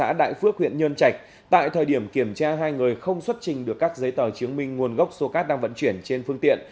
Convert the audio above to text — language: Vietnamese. xã đại phước huyện nhơn trạch tại thời điểm kiểm tra hai người không xuất trình được các giấy tờ chứng minh nguồn gốc số cát đang vận chuyển trên phương tiện